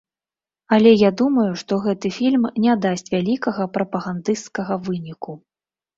Але я думаю, што гэты фільм не дасць вялікага прапагандысцкага выніку.